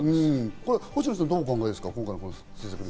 星野さんはどうお考えですか？